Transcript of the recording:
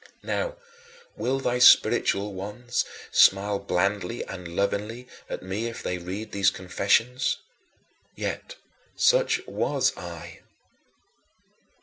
Now will thy spiritual ones smile blandly and lovingly at me if they read these confessions. Yet such was I.